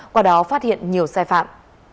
qua đó phát hiện nhiều sai phạm